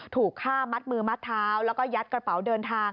ถูกฆ่ามัดมือมัดเท้าแล้วก็ยัดกระเป๋าเดินทาง